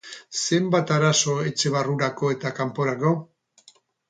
Zenbat arazo etxe barrurako eta kanporako?